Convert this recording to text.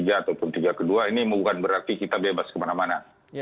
ataupun tiga kedua ini bukan berarti kita bebas kemana mana